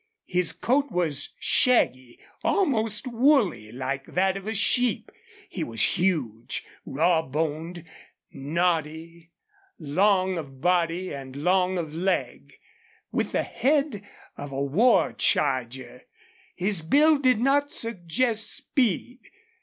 His coat was shaggy, almost woolly, like that of a sheep. He was huge, raw boned, knotty, long of body and long of leg, with the head of a war charger. His build did not suggest speed.